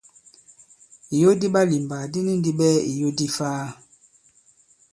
Ìyo di ɓalìmbà di ni ndi ɓɛɛ ìyo di ifaa.